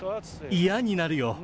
嫌になるよ。